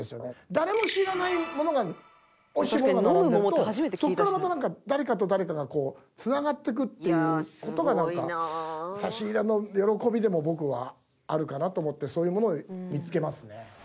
誰も知らないものがおいしいものが並んでるとそこからまた誰かと誰かがつながっていくっていう事が差し入れの喜びでも僕はあるかなと思ってそういうものを見付けますね。